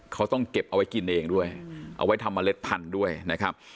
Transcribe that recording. เขาต้องเก็บเอาไว้กินเองด้วยเอาไว้ทำเมล็ดพันธุ์ด้วยนะครับ